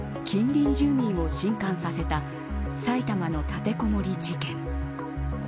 近隣住民を震撼させた埼玉の立てこもり事件。